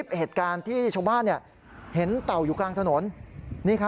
โอ้โฮนี่ตายแล้วพรุ่งนี้